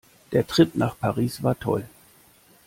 Der Trip nach Paris war toll.